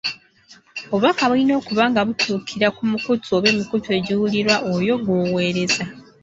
Obubaka bulina okuba nga butuukira ku mukutu oba emikutu egiwulirwa oyo gw'oweereza.